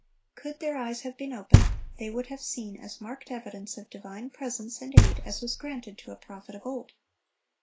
Could their eyes have been opened, they would have seen as marked evidence of divine presence and aid as was granted to a prophet of old.